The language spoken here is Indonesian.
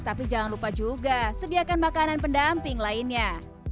tapi jangan lupa juga sediakan makanan pendamping lainnya